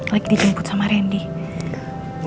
lagi dijemput sama rindy